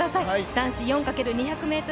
男子４×２００ｍ